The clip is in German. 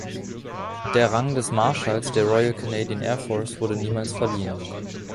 Der Rang des Marschalls der „Royal Canadian Air Force“ wurde niemals verliehen.